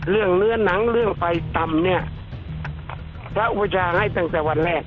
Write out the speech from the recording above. เรื่องเนื้อหนังเรื่องไฟตำเนี่ยพระอุปชาให้ตั้งแต่วันแรก